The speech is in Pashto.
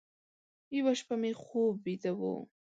یوه شپه مې خوب ویده و،